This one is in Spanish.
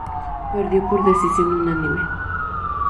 Perdió por decisión unánime.